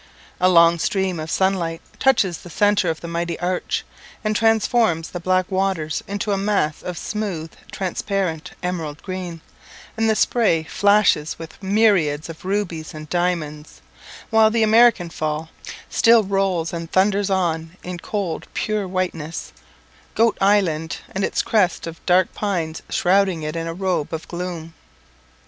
A long stream of sunlight touches the centre of the mighty arch, and transforms the black waters into a mass of smooth transparent emerald green, and the spray flashes with myriads of rubies and diamonds; while the American Fall still rolls and thunders on in cold pure whiteness, Goat Island and its crests of dark pines shrouding it in a robe of gloom.